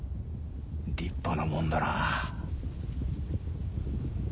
立派なもんだなぁ。